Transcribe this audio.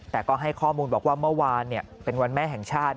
แต่ก็ให้ข้อมูลบอกว่าเมื่อวานเป็นวันแม่แห่งชาติ